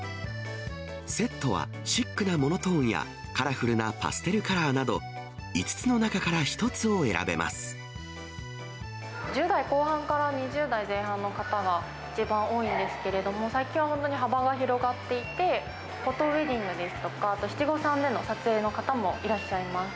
セットはシックなモノトーンやカラフルなパステルカラーなど、１０代後半から２０代前半の方が一番多いんですけれども、最近は本当に幅が広がっていて、フォトウエディングですとか、あと七五三での撮影の方もいらっしゃいます。